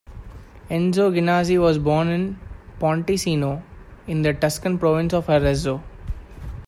Enzo Ghinazzi was born in Ponticino, in the Tuscan province of Arezzo.